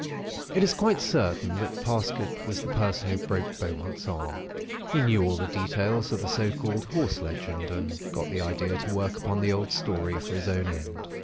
"It is quite certain that Parsket was the person who broke Beaumont's arm. He knew all the details of the so called 'Horse Legend,' and got the idea to work upon the old story, for his own end.